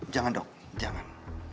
jangan dok jangan